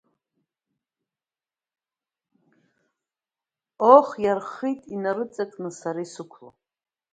Оҳ, иархит инарыҵакны сара исықәлоу!